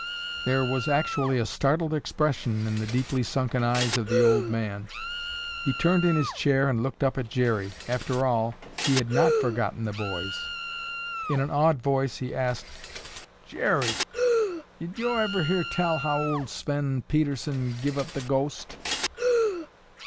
There was actually a startled expression in the deeply sunken eyes of the old man. He turned in his chair and looked up at Jerry. After all, he had not forgotten the boys. In an awed voice he asked: "Jerry, did yo' ever hear tell how old Sven Pedersen give up the ghost?"